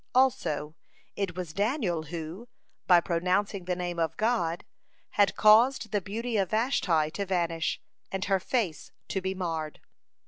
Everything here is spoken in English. (44) Also, it was Daniel who, by pronouncing the Name of God, had caused the beauty of Vashti to vanish, and her face to be marred.